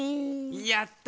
やった！